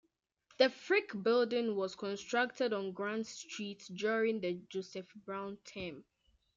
The Frick Building was constructed on Grant Street during the Joseph Brown term.